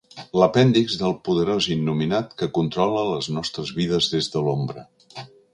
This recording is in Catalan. L'apèndix del poderós innominat que controla les nostres vides des de l'ombra.